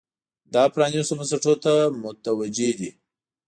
دا پرانیستو بنسټونو ته متوجې دي.